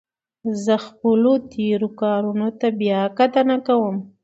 زه خپلو تېرو کارونو ته بیا کتنه کوم.